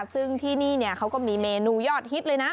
ซึ่งที่นี่เขาก็มีเมนูยอดฮิตเลยนะ